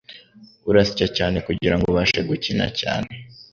Urasya cyane kugirango ubashe gukina cyane.